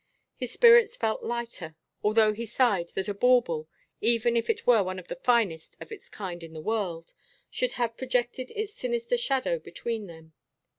His spirits felt lighter, although he sighed that a bauble, even if it were one of the finest of its kind in the world, should have projected its sinister shadow between them.